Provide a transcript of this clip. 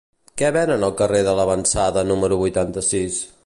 Què venen al carrer de L'Avançada número vuitanta-sis?